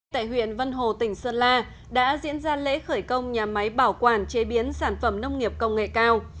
tại huyện vân hồ tỉnh sơn la đã diễn ra lễ khởi công nhà máy bảo quản chế biến sản phẩm nông nghiệp công nghệ cao